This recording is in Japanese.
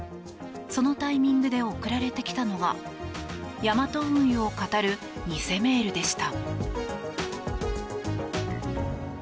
そのタイミングで送られてきたのがヤマト運輸をかたる偽メールでした。